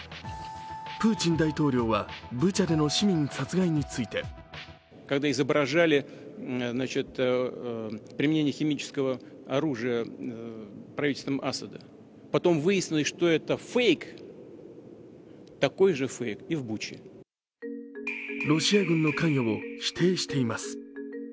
プーチン大統領はブチャでの市民殺害についてロシア軍の関与を否定しています。